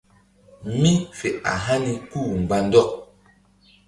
Mí fe a hani kú-u mgba ndɔk.